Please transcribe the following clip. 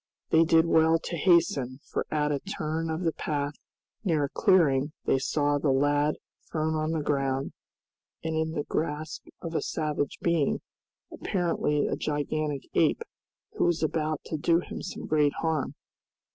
They did well to hasten, for at a turn of the path near a clearing they saw the lad thrown on the ground and in the grasp of a savage being, apparently a gigantic ape, who was about to do him some great harm.